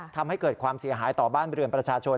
ทำให้เกิดความเสียหายต่อบ้านเรือนประชาชน